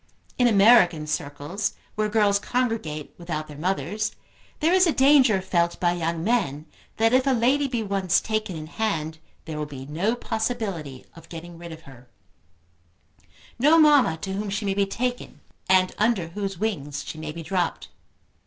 In American circles, where girls congregate without their mothers, there is a danger felt by young men that if a lady be once taken in hand, there will be no possibility of getting rid of her, no mamma to whom she may be taken and under whose wings she may be dropped.